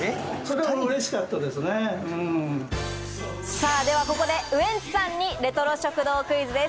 さぁではここでウエンツさんにレトロ食堂クイズです。